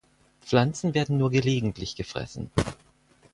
Pflanzen werden nur gelegentlich gefressen.